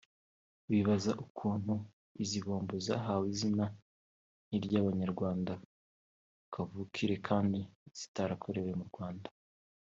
bibaza ukuntu izi bombo zahawe izina nk’iry’abanyarwanda kavukire kandi zitarakorewe mu Rwanda